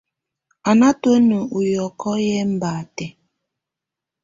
Á ná tùǝ́nǝ́ ù yɔ́kɔ yɛ́ ɛmbátɛ̀.